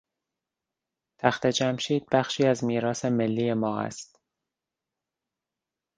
تخت جمشید بخشی از میراث ملی ما است.